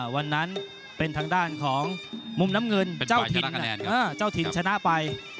วันนั้นเป็นทางด้านของมุมน้ำเงินเจ้าถิ่นเจ้าถิ่นชนะไป